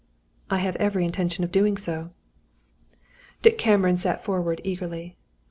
"I have every intention of doing so." Dick Cameron sat forward, eagerly.